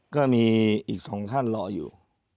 ก็มีอีกสองท่านรออยู่